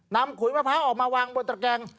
ขุยมะพร้าวออกมาวางบนตระแกง